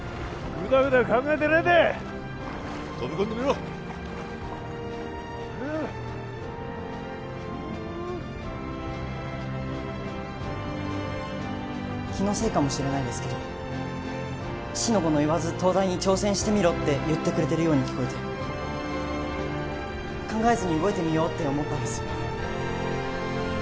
ウダウダ考えてねえで飛び込んでみろ気のせいかもしれないですけど四の五の言わず東大に挑戦してみろって言ってくれてるように聞こえて考えずに動いてみようって思ったんです